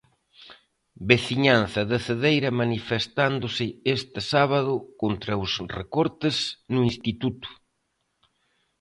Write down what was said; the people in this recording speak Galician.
Veciñanza de Cedeira manifestándose este sábado contra os recortes no instituto.